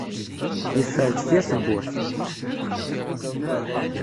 Yeffer deffir tewwurt.